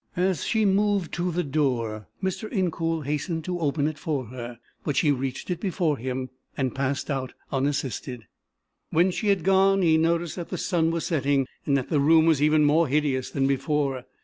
As she moved to the door Mr. Incoul hastened to open it for her, but she reached it before him and passed out unassisted. When she had gone he noticed that the sun was setting and that the room was even more hideous than before.